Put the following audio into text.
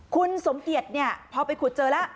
คุณสมเกียจพอไปขุดเจอแล้ว